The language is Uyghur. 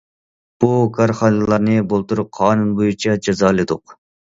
بۇ كارخانىلارنى بۇلتۇر قانۇن بويىچە جازالىدۇق.